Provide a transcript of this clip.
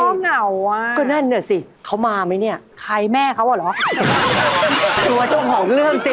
ต้องเหงาวะก็นั่นเนี่ยสิเขามาไม่ไนะใครแม่เขาอ่ะหรอตัวตัวของเรื่องซิ